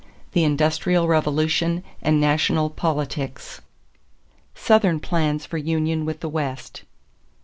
THE INDUSTRIAL REVOLUTION AND NATIONAL POLITICS =Southern Plans for Union with the West.